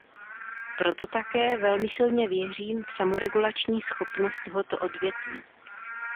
Proto také velmi silně věřím v samoregulační schopnost tohoto odvětví.